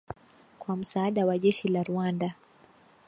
kwa msaada wa jeshi la Rwanda